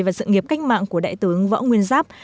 và sự nghiệp cách mạng của đại tướng võ nguyên giáp